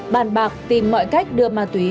bàn bạc tìm mọi cách đưa ma túy